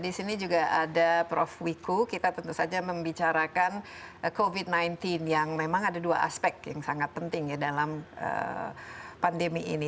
di sini juga ada prof wiku kita tentu saja membicarakan covid sembilan belas yang memang ada dua aspek yang sangat penting ya dalam pandemi ini